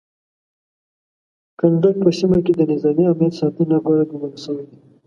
کنډک په سیمه کې د نظامي امنیت د ساتنې لپاره ګمارل شوی دی.